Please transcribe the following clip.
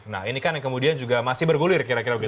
nah ini kan yang kemudian juga masih bergulir kira kira begitu